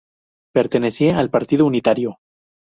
Pertenecía al partido unitario.